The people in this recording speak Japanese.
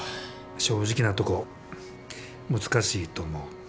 正直なとこ難しいと思う。